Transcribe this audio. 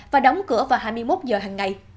và đóng cửa vào hai mươi một giờ hằng ngày